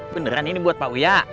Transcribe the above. beneran ini buat pak uya